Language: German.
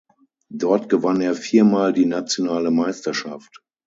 Dort gewann er vier Mal die nationale Meisterschaft.